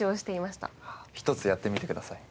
一つやってみてください。